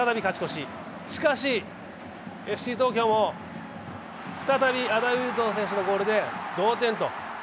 しかし、ＦＣ東京も再び、アダイウトン選手のゴールで同点と。